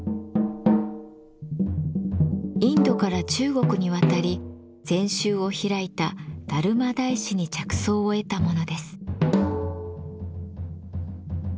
インドから中国に渡り禅宗を開いた達磨大師に着想を得たものです。